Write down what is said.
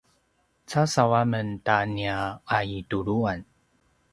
casaw a men ta nia aituluan